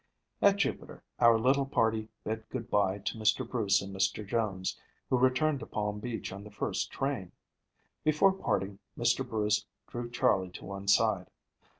At Jupiter our little party bid good by to Mr. Bruce and Mr. Jones, who returned to Palm Beach on the first train. Before parting, Mr. Bruce drew Charley to one side.